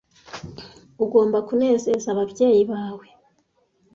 Ugomba kunezeza ababyeyi bawe.